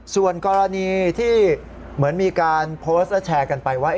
ส่วนกรณีที่เหมือนมีการโพสต์และแชร์กันไปว่า